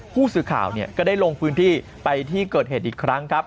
ผู้สื่อข่าวก็ได้ลงพื้นที่ไปที่เกิดเหตุอีกครั้งครับ